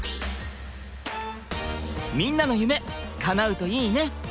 みんなの夢かなうといいね！